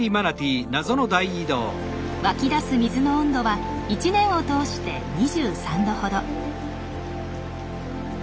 湧き出す水の温度は一年を通して２３℃ほど。